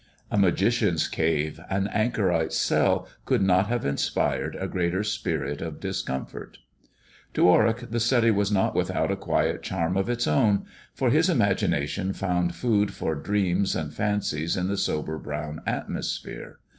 A magician's cave, an anchorite's cell could not have inspired a greater spirit of discomfort. 54 THE dwarf's chamber To Warwick the study was not without a quiet charm of its own, for his imagination found food for dreams and fancies in the sober brown atmosphere.